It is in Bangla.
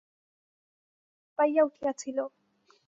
রাজলক্ষ্মীরও প্রাণ হাঁপাইয়া উঠিয়াছিল।